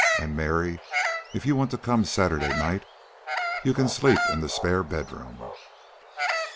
And, Mary, if you want to come Saturday night you can sleep in the spare bedroom."